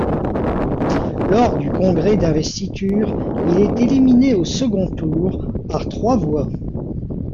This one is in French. Lors du congrès d'investiture, il est éliminé au second tour, par trois voix.